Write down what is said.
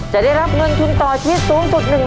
จะได้รับเงินทุนต่อชีวิตสูง